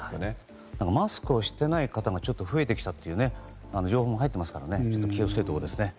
マスクをしてない方がちょっと増えてきたという情報も入ってますから気を付けるところですね。